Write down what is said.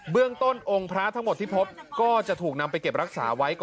เรื่องต้นองค์พระทั้งหมดที่พบก็จะถูกนำไปเก็บรักษาไว้ก่อน